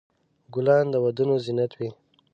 ګلان د ودونو زینت وي.